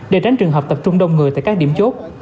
để tránh trường hợp tập trung đông người tại các điểm chốt